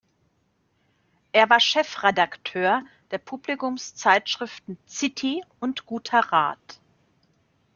Er war Chefredakteur der Publikumszeitschriften Zitty und Guter Rat.